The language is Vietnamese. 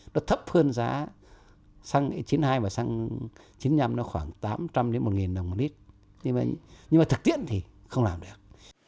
nhưng mà thực tiễn thì không làm được